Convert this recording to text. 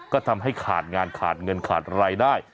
ก็ทำให้ขาดงานขาดเงินขาดรายได้